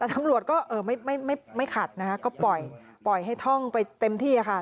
แต่ตำรวจก็ไม่ขัดนะคะก็ปล่อยให้ท่องไปเต็มที่ค่ะ